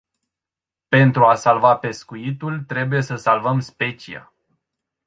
Pentru a salva pescuitul, trebuie să salvăm specia.